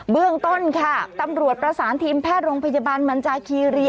เรื่องต้นค่ะตำรวจประสานทีมแพทย์โรงพยาบาลมันจาคีเรีย